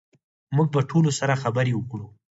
موږ به ټولو سره خبرې وکړو